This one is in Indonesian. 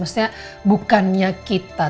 maksudnya bukannya kita